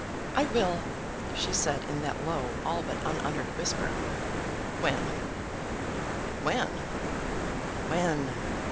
"I will," she said in that low, all but unuttered whisper. "When, when, when?"